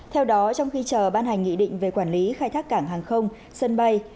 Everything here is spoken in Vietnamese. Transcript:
theo đó trong khi chờ ban hành nghị định về quản lý khai thác cảng hàng không sân bay